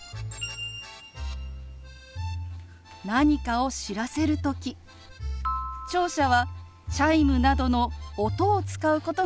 何かを知らせる時聴者はチャイムなどの音を使うことが多いですよね。